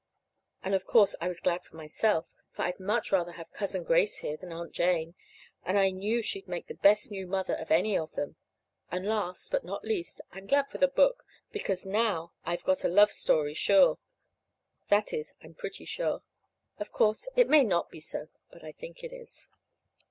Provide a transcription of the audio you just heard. And, of course, I was glad for myself, for I'd much rather have Cousin Grace here than Aunt Jane, and I knew she'd make the best new mother of any of them. And last, but not least, I'm glad for the book, because now I've got a love story sure. That is, I'm pretty sure. Of course, it may not be so; but I think it is.